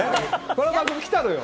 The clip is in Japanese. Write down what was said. この番組、来たのよ。